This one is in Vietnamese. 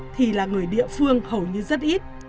thì là người địa phương hầu như rất ít